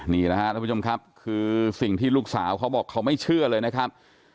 นี่นะครับท่านผู้ชมครับคือสิ่งที่ลูกสาวเขาบอกเขาไม่เชื่อเลยนะครับ